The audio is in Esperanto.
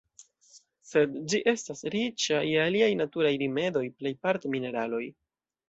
Sed ĝi estas riĉa je aliaj naturaj rimedoj, plejparte mineraloj.